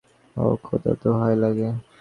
ওহ, খোদা দোহাই লাগে।